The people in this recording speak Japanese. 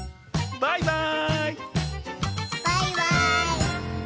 バイバーイ！